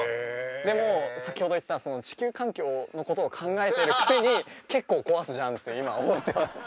でも先ほど言った地球環境のことを考えてるくせに結構壊すじゃんって今思ってます。